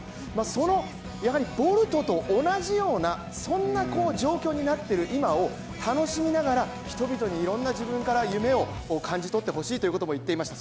その、ボルトと同じような状況になってる今を楽しみながら人々にいろんな自分から、夢を感じ取ってほしいと言っていました。